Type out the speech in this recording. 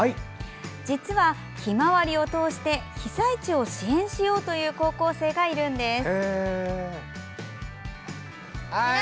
実は、ひまわりを通して被災地を支援しようという高校生がいるんです。